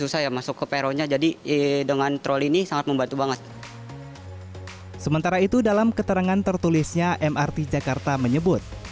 sementara itu dalam keterangan tertulisnya mrt jakarta menyebut